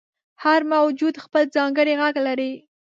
• هر موجود خپل ځانګړی ږغ لري.